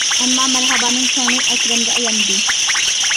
ئەمما مەرھابانىڭ كۆڭلى ئەكرەمگە ئايان ئىدى.